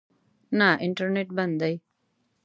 نه، انټرنېټ بند دی